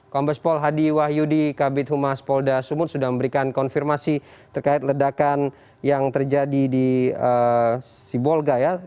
kombes pol hadi wahyudi kabit humas polda sumut sudah memberikan konfirmasi terkait ledakan yang terjadi di sibolga ya